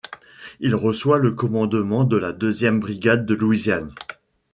Il reçoit le commandement de la deuxième brigade de Louisiane.